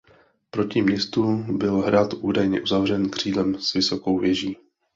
Proti městu byl hrad údajně uzavřen křídlem s vysokou věží.